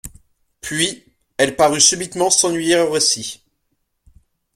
Puis, elle parut subitement s'ennuyer au récit.